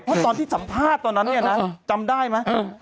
เพราะตอนที่สัมภาษณ์ตอนนั้นเนี่ยนะจำได้ไหม